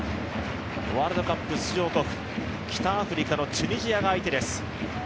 ワールドカップ出場国、北アフリカのチュニジアが相手です。